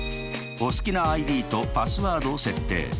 お好きなＩＤとパスワードを設定。